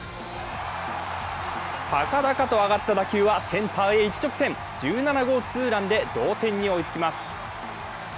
高々と上がった打球はセンターへ一直線、１７号ツーランで同点に追いつきます。